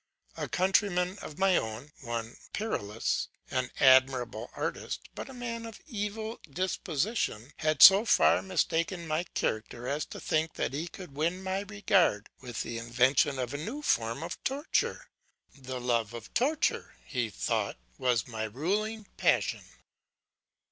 A countryman of my own, one Perilaus, an admirable artist, but a man of evil disposition, had so far mistaken my character as to think that he could win my regard by the invention of a new form of torture; the love of torture, he thought, was my ruling passion.